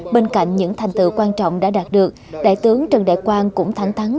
bên cạnh những thành tựu quan trọng đã đạt được đại tướng trần đại quang cũng thẳng thắng